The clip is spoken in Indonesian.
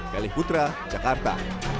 kalih putra jakarta